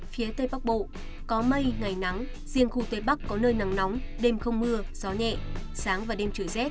phía tây bắc bộ có mây ngày nắng riêng khu tây bắc có nơi nắng nóng đêm không mưa gió nhẹ sáng và đêm trời rét